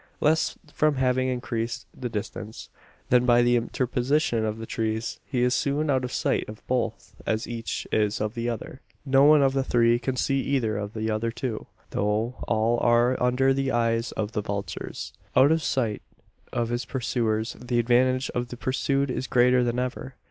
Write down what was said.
Less from having increased the distance, than by the interposition of the trees, he is soon out of sight of both; as each is of the other. No one of the three can see either of the other two; though all are under the eyes of the vultures. Out of sight of his pursuers, the advantage of the pursued is greater than ever.